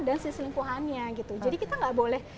dan si selingkuhannya gitu jadi kita nggak boleh